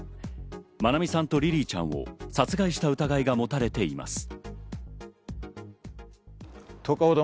愛美さんとリリィちゃんを殺害した疑いが持たれています。